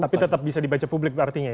tapi tetap bisa dibaca publik artinya ya